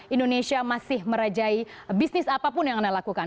indonesia masih merajai bisnis apapun yang anda lakukan